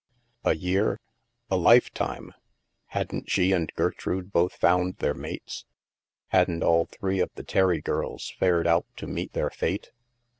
A year? A lifetime! Hadn't she and Gertrude both found their mates? Hadn't all three of the Terry girls fared out to meet their fate?